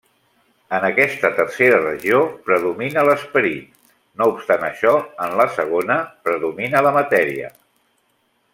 En aquesta Tercera Regió predomina l'esperit, no obstant això, en la Segona, predomina la matèria.